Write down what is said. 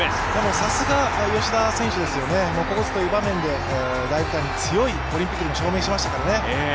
さすが吉田選手ですよね、ここぞという場面で大胆で強い、オリンピックでも証明しましたからね。